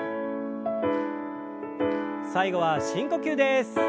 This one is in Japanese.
最後は深呼吸です。